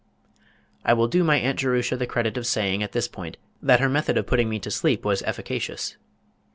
_ I will do my Aunt Jerusha the credit of saying at this point that her method of putting me to sleep was efficacious.